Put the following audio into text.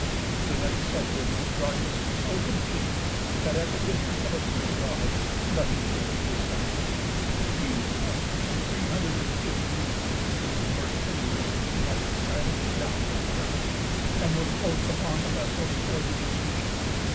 The night set in with darkness so complete, that at the distance of a few rods nothing could be discerned. Meantime, three hundred and fifty Indians, in their birch canoes, glided silently down with the current, and were close upon the vessel before they were seen.